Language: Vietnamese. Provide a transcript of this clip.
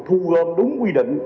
thu gom đúng quy định